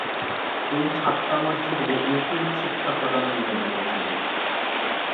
তিনি ছাট্টা মসজিদে ইউক্লিড শিক্ষা প্রদানে নিয়োজিত ছিলেন।